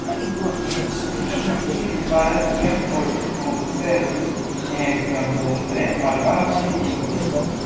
Ili faras tion por konservi energion dum tre malvarmaj vintroj.